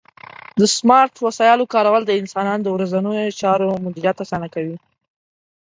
د سمارټ وسایلو کارول د انسانانو د ورځنیو چارو مدیریت اسانوي.